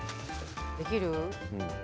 できる？